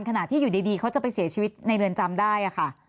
ขณะที่อยู่ดีเขาจะไปเสียชีวิตในเรือนจำได้ค่ะ